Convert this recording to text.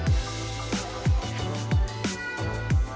saya pengen cari pizza